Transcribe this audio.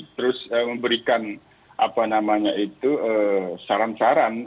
terus memberikan apa namanya itu saran saran